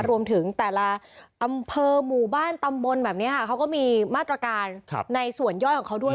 รวมถึงแต่ละอำเภอหมู่บ้านตำบลแบบนี้ค่ะเขาก็มีมาตรการในส่วนย่อยของเขาด้วย